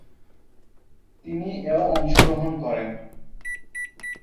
তিনি ""-এও অংশগ্রহণ করেন।